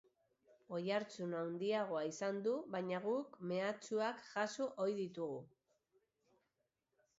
Oihartzun handiagoa izan du, baina guk mehatxuak jaso ohi ditugu.